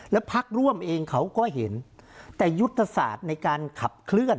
แล้วพักร่วมเองเขาก็เห็นแต่ยุทธศาสตร์ในการขับเคลื่อน